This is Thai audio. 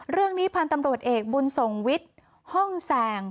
เรื่องนี้พันธุ์ตำรวจเอกบุญส่งวิทย์ห้องแสง